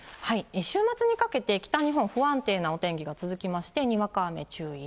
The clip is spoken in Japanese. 週末にかけて北日本、不安定なお天気が続きまして、にわか雨注意。